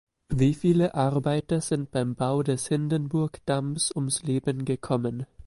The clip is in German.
Wie viele Arbeiter sind beim Bau des Hindenburgdamms ums Leben gekommen?